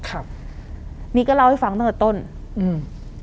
ครับนี่ก็เล่าให้ฟังตั้งแต่ต้นอืม